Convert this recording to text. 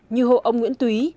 như hộ ông nguyễn túy